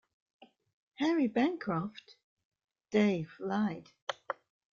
Harry Bancroft, Dave lied.